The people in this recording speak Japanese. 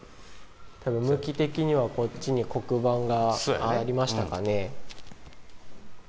たぶん向き的にはこっちに黒板がありましたかね。